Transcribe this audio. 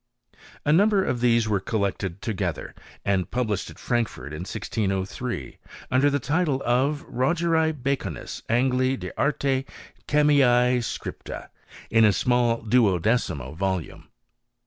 \ number of these were collected together, and pub ished at Frankfort in 1603, under the title of Rogeri Baconis Angli de Arte Chemiee Scripta," in a small luodecimo volume.